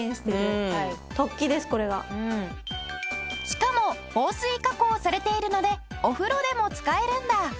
しかも防水加工されているのでお風呂でも使えるんだ。